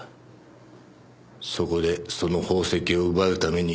そこでその宝石を奪うために奴を。